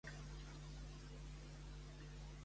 I quin altre personatge bíblic?